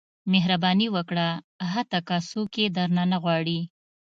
• مهرباني وکړه، حتی که څوک یې درنه نه غواړي.